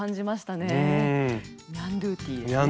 ニャンドゥティですね。